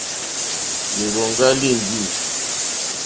Lìrzòŋɡá líŋɡî.